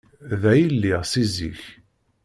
Da i lliɣ si zik.